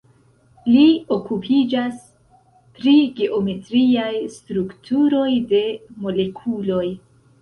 Li okupiĝas pri geometriaj strukturoj de molekuloj.